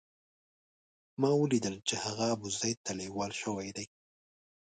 ما ولیدل چې هغه ابوزید ته لېوال شوی دی.